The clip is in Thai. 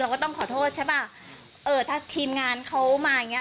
ก็ต้องขอโทษใช่ป่ะเออถ้าทีมงานเขามาอย่างเงี้